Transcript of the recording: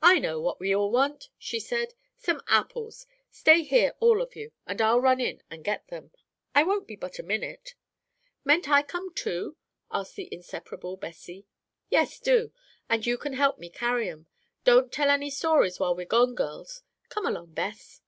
"I know what we all want," she said; "some apples. Stay here all of you, and I'll run in and get them. I won't be but a minute." "Mayn't I come too?" asked the inseparable Bessie. "Yes, do, and you can help me carry 'em. Don't tell any stories while we're gone, girls. Come along, Bess."